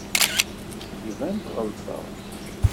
Iban tɣelṭeḍ.